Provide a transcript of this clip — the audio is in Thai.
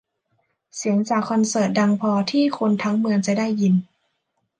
เสียงจากคอนเสิร์ตดังพอที่คนทั้งเมืองจะได้ยิน